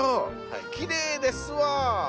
きれいですわ。